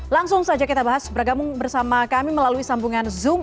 langsung saja kita bahas bergabung bersama kami melalui sambungan zoom